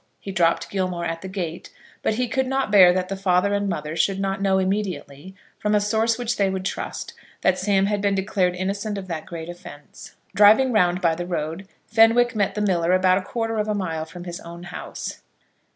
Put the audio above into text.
He dropped Gilmore at the gate, but he could not bear that the father and mother should not know immediately, from a source which they would trust, that Sam had been declared innocent of that great offence. Driving round by the road, Fenwick met the miller about a quarter of a mile from his own house.